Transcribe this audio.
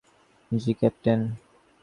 জি, captain.